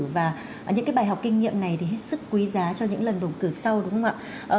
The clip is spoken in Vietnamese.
và những bài học kinh nghiệm này thì hết sức quý giá cho những lần bầu cử sau đúng không ạ